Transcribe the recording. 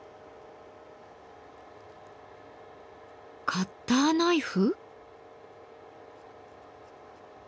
カッターナイフ？